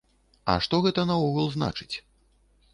А што гэта наогул значыць?